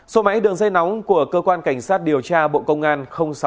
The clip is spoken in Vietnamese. số máy đường dây nóng của cơ quan cảnh sát điều tra bộ công an sáu chín hai ba bốn năm tám sáu không